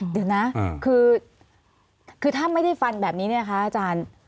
เดี๋ยวนะคือถ้าไม่ได้ฟันแบบนี้เนี่ยนะคะอาจารย์